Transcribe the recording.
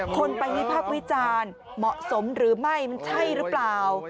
คนไปวิพากษ์วิจารณ์เหมาะสมหรือไม่มันใช่หรือเปล่า